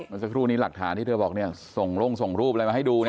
แล้วสักครู่นี้หลักฐานที่เธอบอกเนี่ยส่งร่วงส่งรูปอะไรมาให้ดูเนี่ย